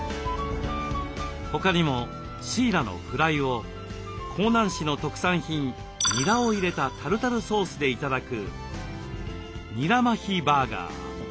他にもシイラのフライを香南市の特産品ニラを入れたタルタルソースで頂く「ニラマヒバーガー」。